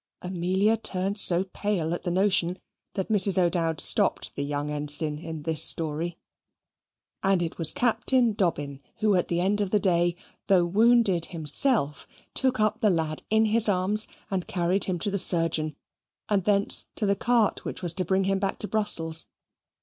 Amelia turned so pale at the notion, that Mrs. O'Dowd stopped the young ensign in this story. And it was Captain Dobbin who at the end of the day, though wounded himself, took up the lad in his arms and carried him to the surgeon, and thence to the cart which was to bring him back to Brussels.